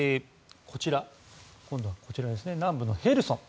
今度はこちら、南部のヘルソン。